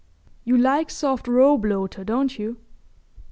You likes soft roe bloater, don't you?